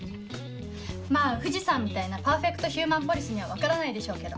まぁ藤さんみたいな「パーフェクトヒューマンポリス」には分からないでしょうけど。